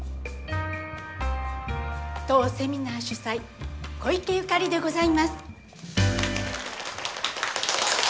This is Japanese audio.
当セミナー主催小池ゆかりでございます。